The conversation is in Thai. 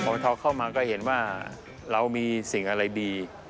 พอทอเข้ามาก็เห็นว่าเรามีสิ่งอะไรดี